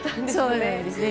そうなんですね